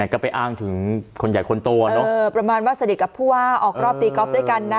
ก็ไปอ้างถึงคนใหญ่คนโตเนอะเออประมาณว่าสนิทกับผู้ว่าออกรอบตีกอล์ฟด้วยกันนะ